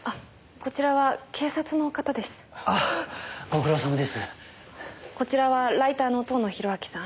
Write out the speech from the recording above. こちらはライターの遠野弘明さん。